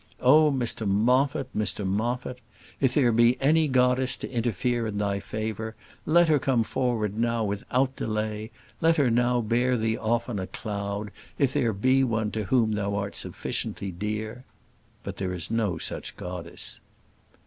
Oh! Mr Moffat! Mr Moffat! if there be any goddess to interfere in thy favour, let her come forward now without delay; let her now bear thee off on a cloud if there be one to whom thou art sufficiently dear! But there is no such goddess.